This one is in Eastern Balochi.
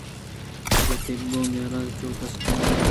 بلے تب ءُ میل چوپیش ءِ پیم ءَ اِنت